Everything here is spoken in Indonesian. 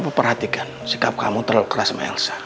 perhatikan sikap kamu terlalu keras sama elsa